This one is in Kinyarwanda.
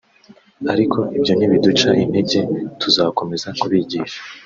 ariko ibyo ntibiduca intege tuzakomeza kubigisha